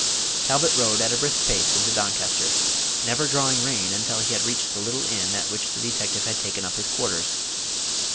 Talbot rode at a brisk pace into Doncaster, never drawing rein until he reached the little inn at which the detective had taken up his quarters.